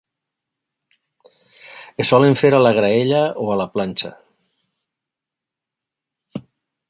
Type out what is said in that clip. Se solen fer a la graella o a la planxa.